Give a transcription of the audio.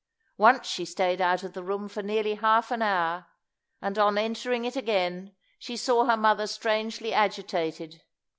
Once she stayed out of the room for nearly half an hour, and on entering it again, she saw her mother strangely agitated.